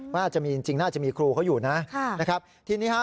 ว่าอาจจะมีจริงน่าจะมีครูเขาอยู่นะนะครับทีนี้ฮะ